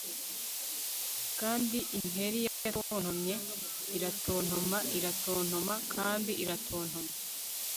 Kandi inkeri yatontomye iratontoma iratontoma kandi iratontoma